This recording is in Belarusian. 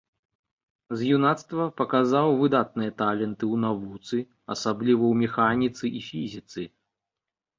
З юнацтва паказаў выдатныя таленты ў навуцы, асабліва ў механіцы і фізіцы.